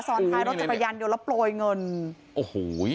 ซ้อนท้ายรถจัดประยันอยู่แล้วโปรยเงินโอ้โห